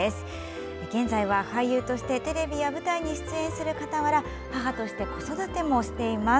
現在は、俳優としてテレビや舞台で活躍するかたわら母として子育てもしています。